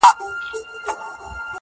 چي په مزار بغلان کابل کي به دي ياده لرم~